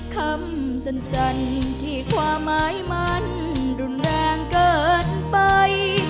คำสั้นที่ความหมายมันรุนแรงเกินไป